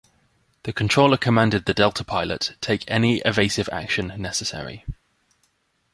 The controller commanded the Delta pilot, Take any evasive action necessary.